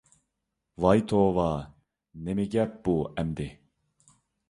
ۋاي توۋا، نېمە گەپ بۇ ئەمدى؟